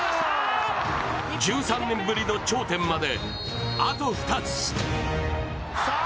１３年ぶりの頂点まで、あと２つ。